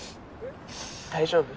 大丈夫？